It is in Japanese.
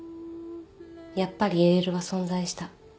やっぱり ＬＬ は存在した